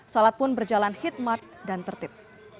sholat pun berjalan hikmat dan tertib